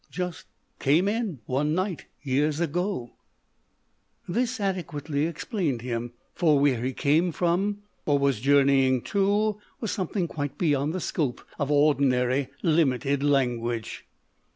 " Just came inâ one night â years ago/ 1 This adequately explained him, for where he came from, or was journeying to, was something quite beyond the scope of ordinary limited language.